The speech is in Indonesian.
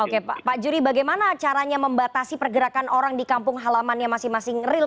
oke pak pak jury bagaimana caranya membatasi pergerakan orang di kampung halaman yang masing masing real